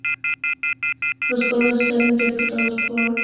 Los coros están interpretados por Rosetta Hightower y cuarenta y cuatro voces.